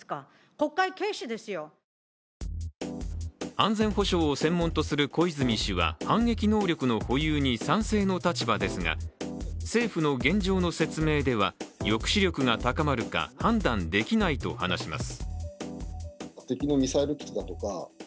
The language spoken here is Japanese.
安全保障を専門とする小泉氏は反撃能力の保有に賛成の立場ですが、政府の現状の説明では抑止力が高まるか判断できないと話します。